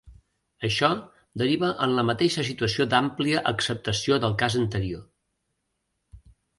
Això deriva en la mateixa situació d'àmplia acceptació del cas anterior.